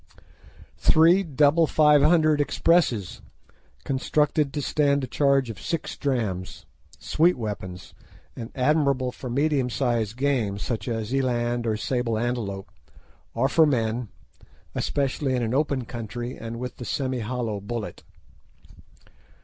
"Three double 500 Expresses, constructed to stand a charge of six drachms," sweet weapons, and admirable for medium sized game, such as eland or sable antelope, or for men, especially in an open country and with the semi hollow bullet.